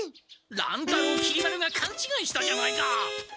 乱太郎きり丸がかんちがいしたじゃないか！